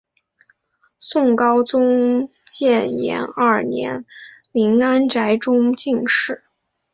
宋高宗建炎二年林安宅中进士。